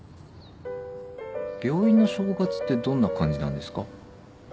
病院の正月ってどんな感じなんですか？